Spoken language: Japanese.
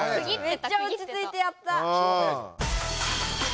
めっちゃおちついてやった。